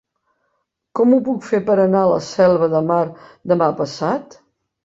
Com ho puc fer per anar a la Selva de Mar demà passat?